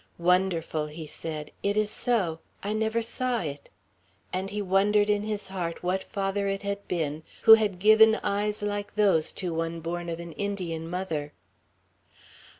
"Wonderful!" he said. "It is so. I never saw it;" and he wondered in his heart what father it had been, who had given eyes like those to one born of an Indian mother.